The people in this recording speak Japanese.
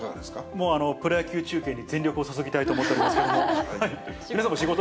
もうプロ野球中継に全力を注ぎたいと思っておりますけれども。